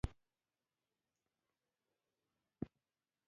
د پارلمان وکیل په مرسته په دې بریالی شو.